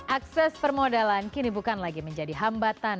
akses permodalan kini bukan lagi menjadi hambatan